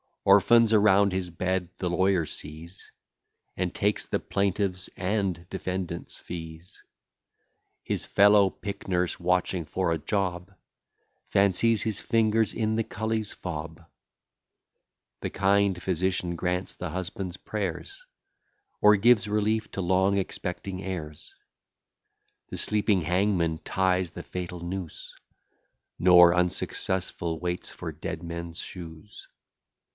Orphans around his bed the lawyer sees, And takes the plaintiff's and defendant's fees. His fellow pick purse, watching for a job, Fancies his fingers in the cully's fob. The kind physician grants the husband's prayers, Or gives relief to long expecting heirs. The sleeping hangman ties the fatal noose, Nor unsuccessful waits for dead men's shoes.